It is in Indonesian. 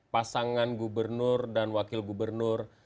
pasangan gubernur dan wakil gubernur